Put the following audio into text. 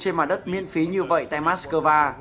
ở đất miễn phí như vậy tại moscow